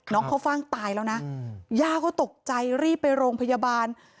เข้าฟ่างตายแล้วนะย่าก็ตกใจรีบไปโรงพยาบาล